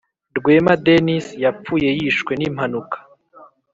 Rwema dennis yapfuye yishwe nimpanuka